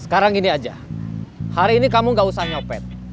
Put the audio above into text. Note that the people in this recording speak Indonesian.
sekarang ini aja hari ini kamu gak usah nyopet